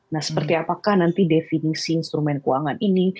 nah seperti apakah nanti definisi instrumen keuangan ini